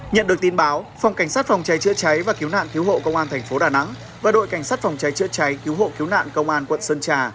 nhận được tin báo phòng cảnh sát phòng cháy chữa cháy và cứu nạn cứu hộ công an thành phố đà nẵng và đội cảnh sát phòng cháy chữa cháy cứu hộ cứu nạn công an quận sơn trà